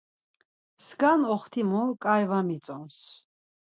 Skan oxtimu ǩai var mitzons.